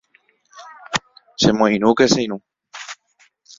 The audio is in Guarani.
Chemoirũke che irũ